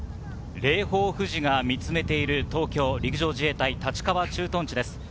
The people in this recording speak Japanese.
霊峰富士が見つめている、東京・陸上自衛隊立川駐屯地です。